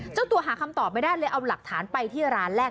เจ้าตัวหาคำตอบไม่ได้เลยเอาหลักฐานไปที่ร้านแรก